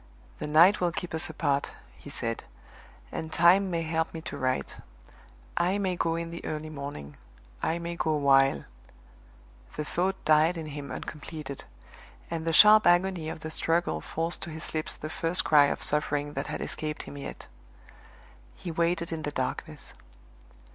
"The night will keep us apart," he said; "and time may help me to write. I may go in the early morning; I may go while " The thought died in him uncompleted; and the sharp agony of the struggle forced to his lips the first cry of suffering that had escaped him yet. He waited in the darkness.